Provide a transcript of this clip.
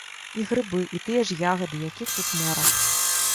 І грыбы, і тыя ж ягады, якіх тут мора.